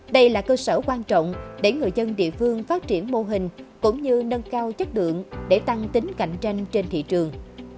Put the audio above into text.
đây là cơ sở quan trọng để người dân địa phương phát triển mô hình cũng như nâng cao chất lượng để tăng tính cạnh tranh trên thị trường